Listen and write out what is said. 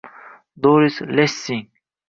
Doris Lessing